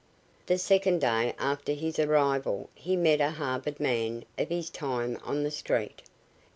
The second day after his arrival he met a Harvard man of his time on the street.